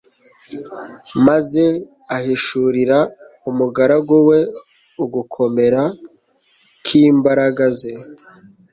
maze ahishurira umugaragu we ugukomera kimbaraga ze